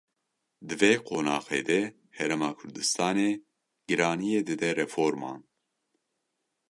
Di vê qonaxê de Herêma Kurdistanê giraniyê dide reforman.